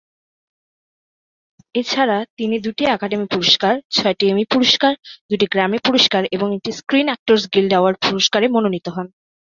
এছাড়া তিনি দুটি একাডেমি পুরস্কার, ছয়টি এমি পুরস্কার, দুটি গ্র্যামি পুরস্কার এবং একটি স্ক্রিন অ্যাক্টরস গিল্ড পুরস্কারে মনোনীত হন।